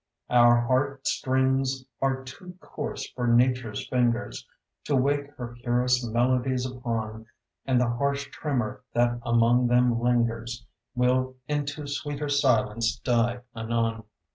Our heart strings are too coarse for Nature's fingers To wake her purest melodies upon, And the harsh tremor that among them lingers Will into sweeter silence die anon.